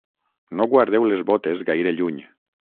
no guardeu les botes gaire lluny